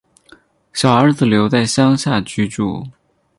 小儿子留在乡下居住